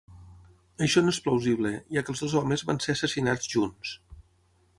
Això no és plausible, ja que els dos homes van ser assassinats junts.